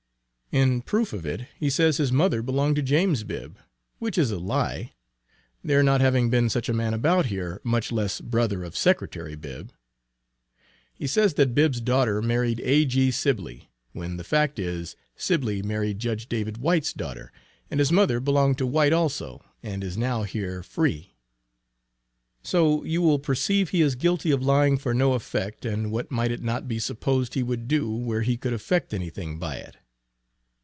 In proof of it, he says his mother belonged to James Bibb, which is a lie, there not having been such a man about here, much less brother of Secretary Bibb. He says that Bibb's daughter married A.G. Sibly, when the fact is Sibly married Judge David White's daughter, and his mother belonged to White also and is now here, free. So you will perceive he is guilty of lying for no effect, and what might it not be supposed he would do where he could effect anything by it.